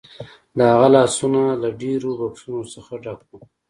د هغه لاسونه له ډیرو بکسونو څخه ډک وو